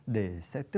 đó là một người vô tính